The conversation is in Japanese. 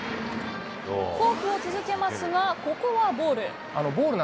フォークを続けますが、ここはボール。